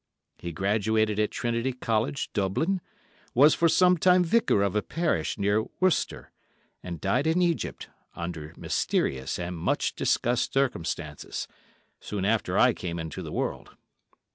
He graduated at Trinity College, Dublin, was for some time vicar of a parish near Worcester, and died in Egypt, under mysterious and much discussed circumstances, soon after I came into the world.